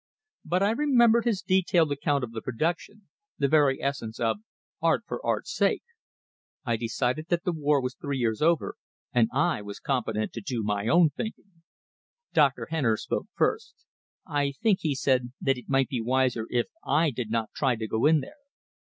But I remembered his detailed account of the production, the very essence of "art for art's sake." I decided that the war was three years over, and I was competent to do my own thinking. Dr. Henner spoke first. "I think," he said, "it might be wiser if I did not try to go in there."